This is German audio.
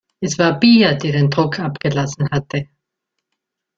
Es war Pia, die den Druck abgelassen hatte.